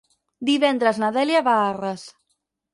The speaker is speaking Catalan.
Divendres na Dèlia va a Arres.